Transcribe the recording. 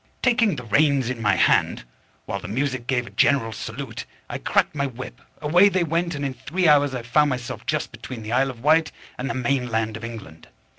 _ Taking the reins in my hand, while the music gave a general salute, I cracked my whip, away they went, and in three hours I found myself just between the Isle of Wight and the main land of England.